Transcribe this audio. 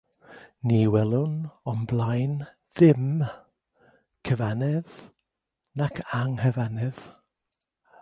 Ni welwn o'm blaen ddim, cyfannedd nag anghyfannedd.